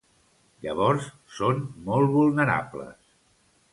Llavors són molt vulnerables.